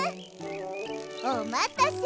おまたせ。